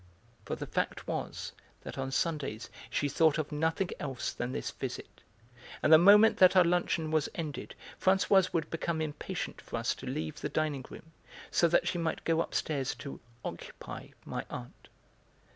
For the fact was that on Sundays she thought of nothing else than this visit, and the moment that our luncheon was ended Françoise would become impatient for us to leave the dining room so that she might go upstairs to 'occupy' my aunt.